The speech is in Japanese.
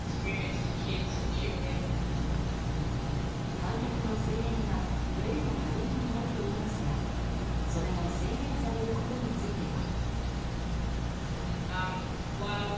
観客の声援がプレーの励みになるといいますがそれが制限されることについては。